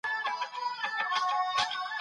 زموږ بیرغ درې رنګه دئ.